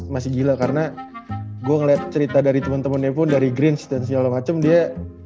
masih gila karena gue ngeliat cerita dari temen temennya pun dari greens dan segala macem dia